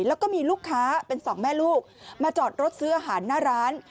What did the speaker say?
แล้วก็มีลูกค้าเป็นสองแม่ลูกมาจอดรถซื้ออาหารหน้าร้าน